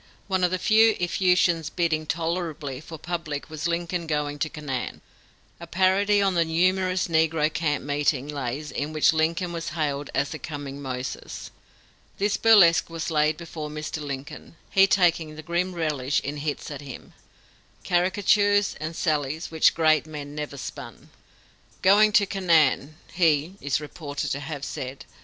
One of the few effusions bidding tolerably for publicity was "Lincoln Going to Canaan," a parody on the numerous negro camp meeting lays in which Lincoln was hailed as the coming Moses. This burlesque was laid before Mr. Lincoln, he taking the grim relish in hits at him, caricatures and sallies, which great men never spurn. "Going to Canaan," he (is reported to have) said.